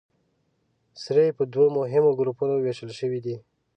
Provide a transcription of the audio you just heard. سرې په دوو مهمو ګروپونو ویشل شوې دي.